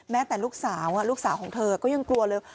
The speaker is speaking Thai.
แต่ลูกสาวลูกสาวของเธอก็ยังกลัวเลย